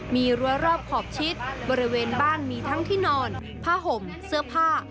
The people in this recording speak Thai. มีรั้วรอบขอบชิดบริเวณบ้านมีทั้งที่นอนผ้าห่มเสื้อผ้า